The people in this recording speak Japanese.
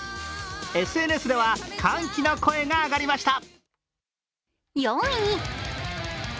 ＳＮＳでは歓喜の声が上がりました。